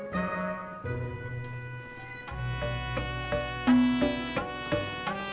lagian sampe suruh lo nunggu